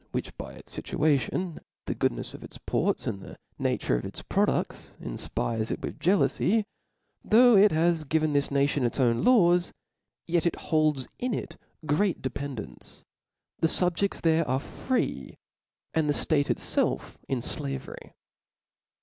%7, which by its ficuation^ the goodness of it» ports^ and the nature of its produds, infpircs it'with jca* loufy, though it h^ givenr this nation its own laws, yet it holds it in great dependence: thcfubjeds there are free and the ftate itfelf in flavery.